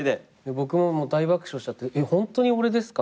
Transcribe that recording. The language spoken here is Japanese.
僕も大爆笑しちゃって「えっホントに俺ですか？」